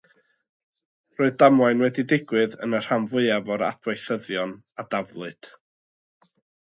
Roedd damwain wedi digwydd yn y rhan fwyaf o'r adweithyddion a daflwyd.